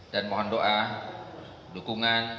dan mohon doa dukungan